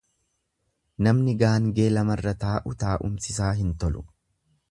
Namni gaangee lamarra taa'u taa'umsi isaa hin tolu.